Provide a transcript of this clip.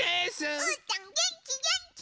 うーたんげんきげんき！